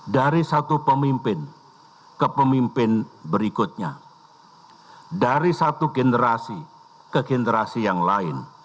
dari satu pemimpin ke pemimpin berikutnya dari satu generasi ke generasi yang lain